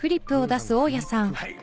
はい。